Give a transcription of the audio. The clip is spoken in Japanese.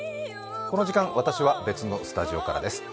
この時間、私は別のスタジオからです。